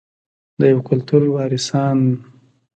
د یو کلتور وارثان.